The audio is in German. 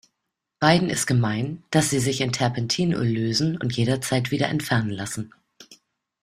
Beiden ist gemein, dass sie sich in Terpentinöl lösen und jederzeit wieder entfernen lassen.